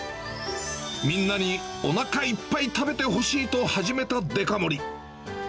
みんなにおなかいっぱい食べてほしいと始めたデカ盛り。